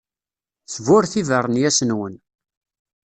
Sburret ibeṛnyas-nwen.